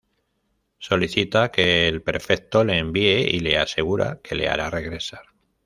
Solicita que el prefecto le envíe, y le asegura que le hará regresar.